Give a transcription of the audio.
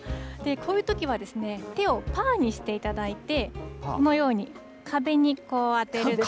こういうときは、手をぱーにしていただいて、このように壁にこう、かけると。